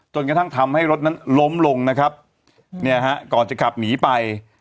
จนกระทั่งทำให้รถนั้นล้มลงนะครับเนี่ยฮะก่อนจะขับหนีไป